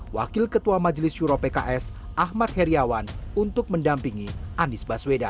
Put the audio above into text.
wakil ketua majelis juro pks ahmad heriawan untuk mendampingi anies baswedan